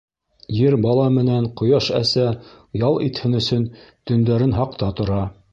Ер-бала менән Ҡояш-әсә ял итһен өсөн төндәрен һаҡта тора.